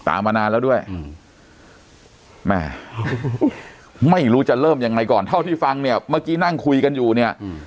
มานานแล้วด้วยแม่ไม่รู้จะเริ่มยังไงก่อนเท่าที่ฟังเนี่ยเมื่อกี้นั่งคุยกันอยู่เนี่ย